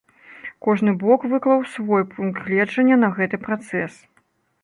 Кожны бок выклаў свой пункт гледжання на гэты працэс.